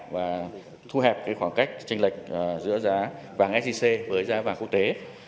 và thu hẹp khoảng cách tranh lệch giữa giá vàng sec với giá vàng quốc tế